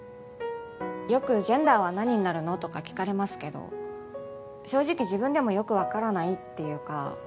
よくジェンダーは何になるの？とか聞かれますけど正直自分でもよくわからないっていうか。